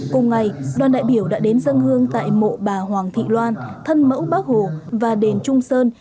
cùng ngày đoàn đại biểu đã đến dân hương tại mộ bà hoàng thị loan thân mẫu bác hồ và đền trung sơn